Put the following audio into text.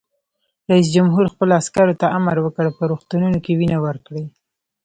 رئیس جمهور خپلو عسکرو ته امر وکړ؛ په روغتونونو کې وینه ورکړئ!